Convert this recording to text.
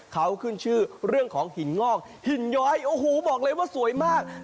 เขาขึ้นชื่อเรื่องของหินงอกหินย้อยโอ้โหบอกเลยว่าสวยมาก